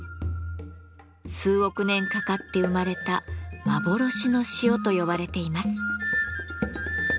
数億年かかって生まれた「幻の塩」と呼ばれています。